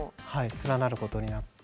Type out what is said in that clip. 連なることになって。